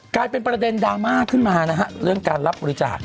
กลายเป็นประเด็นดราม่าขึ้นมานะฮะเรื่องการรับบริจาค